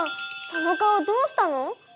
その顔どうしたの？